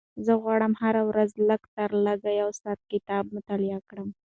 زه غواړم هره ورځ لږترلږه یو ساعت کتاب مطالعه کړم.